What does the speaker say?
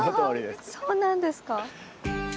あそうなんですか。